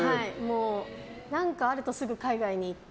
何かあるとすぐ海外に行って。